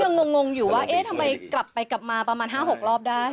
งงอยู่ว่าเอ๊ะทำไมกลับไปกลับมาประมาณ๕๖รอบได้